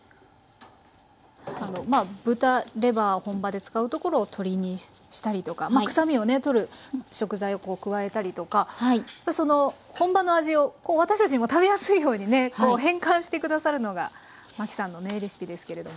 豚レバー本場で使うところを鶏にしたりとかくさみを取る食材を加えたりとか本場の味を私たちにも食べやすいようにね変換して下さるのがマキさんのねレシピですけれども。